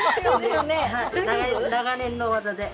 長年の技で。